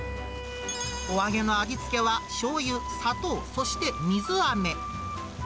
お揚げの味付けは、しょうゆ、砂糖、そして水あめ。